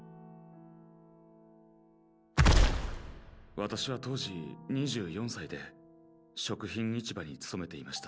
わたしは当時２４歳で食品市場に勤めていました。